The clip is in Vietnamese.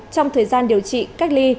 trong thời gian điều trị cách ly